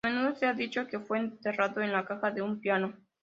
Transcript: A menudo se ha dicho que fue enterrado en la caja de un piano.